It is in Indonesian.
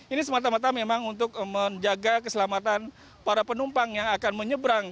ini semata mata memang untuk menjaga keselamatan para penumpang yang akan menyeberang